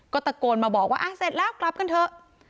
ก็ตะโกนมาบอกว่าเสร็จแล้วกลับกันเถอะ